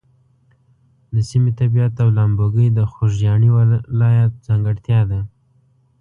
د سیمې طبیعت او لامبوګۍ د خوږیاڼي ولایت ځانګړتیا ده.